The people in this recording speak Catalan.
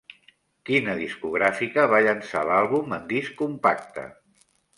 Quina discogràfica va llançar l'àlbum en disc compacte?